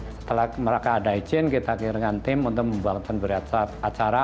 setelah mereka ada izin kita kirakan tim untuk membuat acara